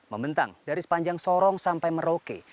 membentang dari sepanjang sorong sampai merauke